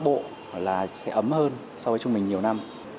bộ là sẽ ấm hơn so với trung bình nhiều năm